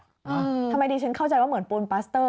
ทำไมดีฉันเข้าใจว่าเหมือนปูนปัสเตอร์